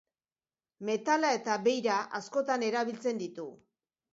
Metala eta beira askotan erabiltzen ditu.